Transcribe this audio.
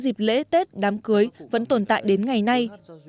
dịp lễ tết đám cưới vẫn tồn tại đến ngày nay